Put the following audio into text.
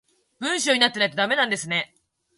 文章になってないとダメなんですね